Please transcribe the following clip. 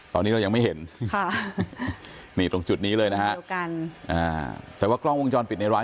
ตอนนี้ยังไม่เห็นตรงจุดนี้เลยนะครับแต่ว่ากล้องวงจรปิดในร้าน